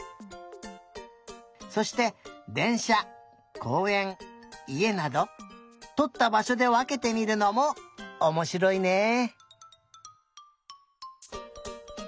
そしてでんしゃこうえんいえなどとったばしょでわけてみるのもおもしろいね。